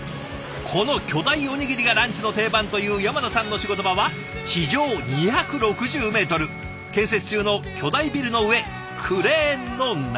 この巨大おにぎりがランチの定番という山名さんの仕事場は地上２６０メートル建設中の巨大ビルの上クレーンの中でした。